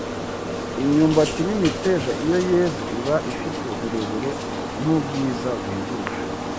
imyumbati n’imiteja, iyo yeze iba ifite ubureburen’ubwiza buhebuje